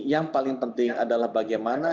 yang paling penting adalah bagaimana